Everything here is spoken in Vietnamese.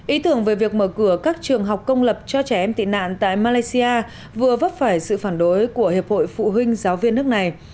ý tưởng về việc mở cửa các trường học công lập cho trẻ em tị nạn tại malaysia vừa vấp phải sự phản đối của hiệp hội phụ huynh giáo viên nước này